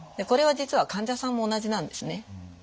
これは実は患者さんも同じなんですね。